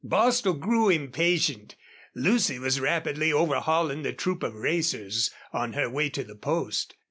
Bostil grew impatient. Lucy was rapidly overhauling the troop of racers on her way to the post.